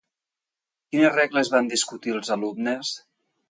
Quines regles van discutir els alumnes?